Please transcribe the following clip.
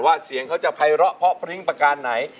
ว่าเสียงเขาจะไปเหราะเพราะพระนิ่งประการไหน